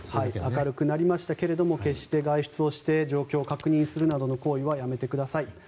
明るくなりましたけれども決して、外出して状況を確認するなどの行為はやめてください。